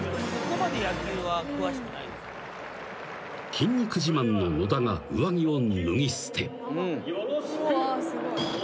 ［筋肉自慢の野田が上着を脱ぎ捨て］